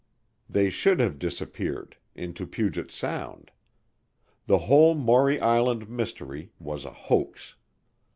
They should have disappeared, into Puget Sound. The whole Maury Island Mystery was a hoax.